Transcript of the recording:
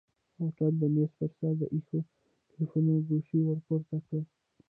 هوټلي د مېز پر سر د ايښي تليفون ګوشۍ ورپورته کړه.